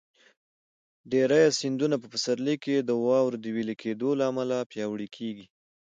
ډېری سیندونه په پسرلي کې د واورو د وېلې کېدو له امله پیاوړي کېږي.